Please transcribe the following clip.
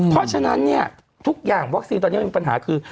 เพราะฉะนั้นเนี่ยทุกอย่างวัคซีนตอนนี้มันมีปัญหาคือ